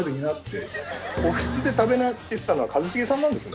「おひつで食べな」って言ったのは一茂さんなんですね。